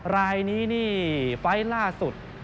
รายนี้นี่ไฟล์ล่าสุด